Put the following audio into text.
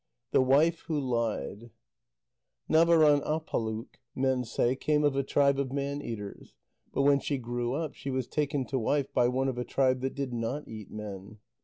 THE WIFE WHO LIED Navaránâpaluk, men say, came of a tribe of man eaters, but when she grew up, she was taken to wife by one of a tribe that did not eat men.